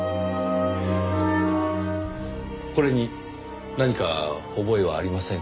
これに何か覚えはありませんか？